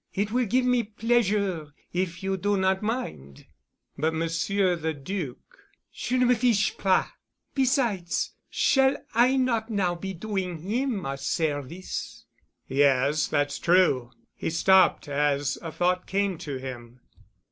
It will give me pleasure—if you do not mind." "But Monsieur the Duc——" "Je ne me fiche pas. Besides, shall I not now be doing him a service?" "Yes, that's true." He stopped as a thought came to him.